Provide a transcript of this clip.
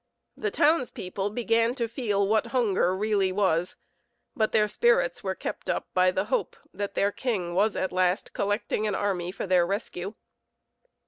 The townspeople began to feel what hunger really was, but their spirits were kept up by the hope that their king was at last collecting an army for their rescue.